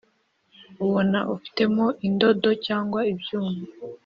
ubona ufitemo indodo cyangwa ibyuma